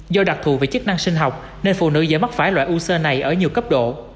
do đặc thù về chức năng sinh học nên phụ nữ dễ mắc phải loại u sơ này ở nhiều cấp độ